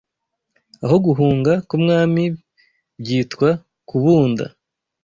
Aho Guhunga k’umwami byitwa kubunda